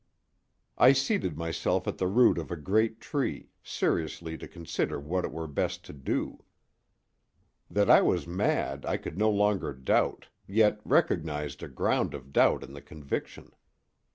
I seated myself at the root of a great tree, seriously to consider what it were best to do. That I was mad I could no longer doubt, yet recognized a ground of doubt in the conviction.